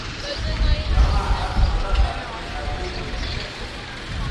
لواں ہَت مہ لخت کویں ازئ گی